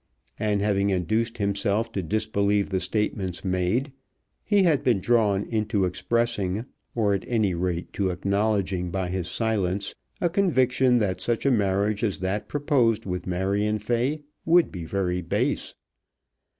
And having induced himself to disbelieve the statements made, he had been drawn into expressing, or at any rate to acknowledging by his silence, a conviction that such a marriage as that proposed with Marion Fay would be very base.